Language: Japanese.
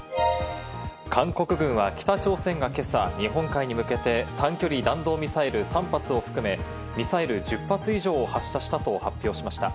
韓国軍は北朝鮮が今朝、日本海に向けて短距離弾道ミサイル３発を含めミサイル１０発以上を発射したと発表しました。